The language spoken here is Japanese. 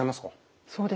そうですね。